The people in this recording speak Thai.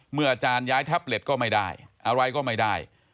อาจารย์ย้ายแท็บเล็ตก็ไม่ได้อะไรก็ไม่ได้